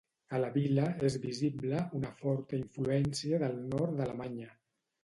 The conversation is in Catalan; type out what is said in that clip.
A la vila és visible una forta influència del nord d'Alemanya.